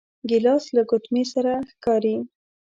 ګیلاس له ګوتمې سره ښکاري.